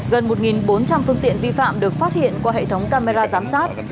gần một bốn trăm linh phương tiện vi phạm được phát hiện qua hệ thống camera giám sát